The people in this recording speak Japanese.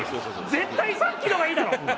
絶対さっきの方がいいだろ！